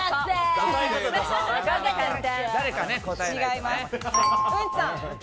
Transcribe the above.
違います。